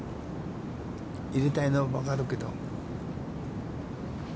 入れたいのは分かるけど。